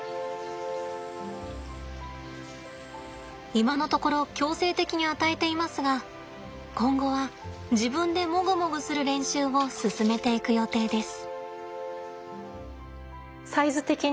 今のところ強制的に与えていますが今後は自分でモグモグする練習を進めていく予定です。